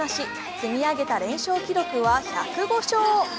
積み上げた連勝記録は１０５勝。